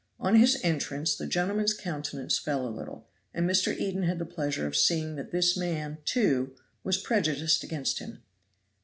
On his entrance the gentleman's countenance fell a little, and Mr. Eden had the pleasure of seeing that this man, too, was prejudiced against him.